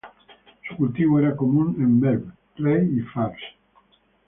Su cultivo era común en Merv, Rey y Fars.